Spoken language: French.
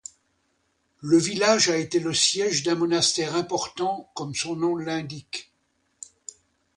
Le village a été le siège d'un monastère important, comme son nom l'indique.